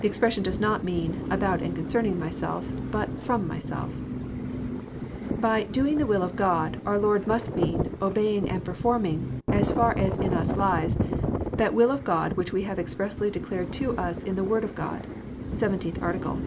The expression does not mean '* about and concern ing myself, but " ftrom myselt By doing the will of God,", our Lord must mean, '' obeying and performing, as far as in us lies, that will of God which we have expressly declare<t t<nis in the word of God.*' (17th Arti cle.)